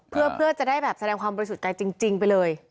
เพื่อจะได้แบบแสดงความบริสุทธิ์ใจจริงไปเลย